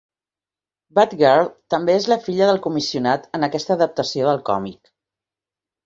Batgirl també és la filla del Comissionat en aquesta adaptació del còmic.